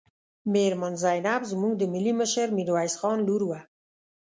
میرمن زینب زموږ د ملي مشر میرویس خان لور وه.